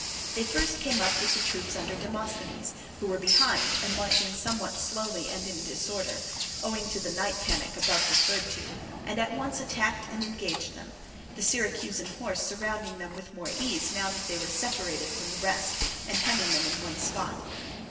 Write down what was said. They first came up with the troops under Demosthenes, who were behind and marching somewhat slowly and in disorder, owing to the night panic above referred to, and at once attacked and engaged them, the Syracusan horse surrounding them with more ease now that they were separated from the rest and hemming them in on one spot.